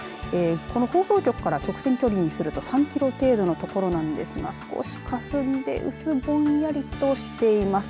この放送局から直線距離にすると３キロ程度の所なんですが少しかすんでうすぼんやりとしています。